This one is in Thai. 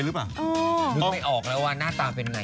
นึกไม่ออกแล้วว่าหน้าตาเป็นไง